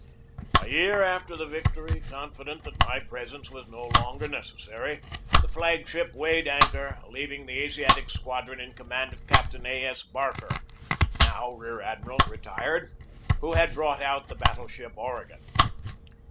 A year after the victory, confident that my pres ence was no longer necessary, the flag ship weighed anchor, leaving the Asiatic Squadron in command of Captain A. S. Barker (now rear admiral, retired), who had brought out the battle ship Oregon.